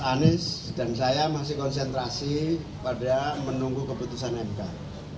mas anies dan saya masih konsentrasi pada menunggu pembicaraan